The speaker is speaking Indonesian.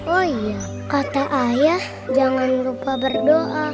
oh iya kata ayah jangan lupa berdoa